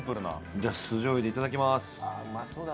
じゃあ酢醤油でいただきます。